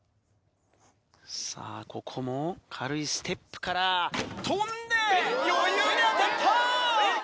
さぁここも軽いステップから跳んで余裕で当たった！